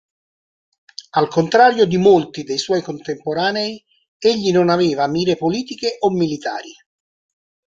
Al contrario di molti dei suoi contemporanei, egli non aveva mire politiche o militari.